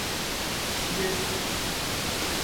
Йөҙ